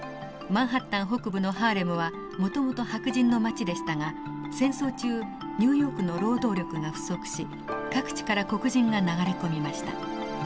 マンハッタン北部のハーレムはもともと白人の街でしたが戦争中ニューヨークの労働力が不足し各地から黒人が流れ込みました。